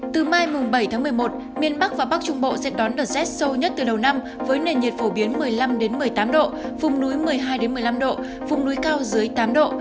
từ mai mùng bảy tháng một mươi một miền bắc và bắc trung bộ sẽ đón đợt rét sâu nhất từ đầu năm với nền nhiệt phổ biến một mươi năm một mươi tám độ vùng núi một mươi hai một mươi năm độ vùng núi cao dưới tám độ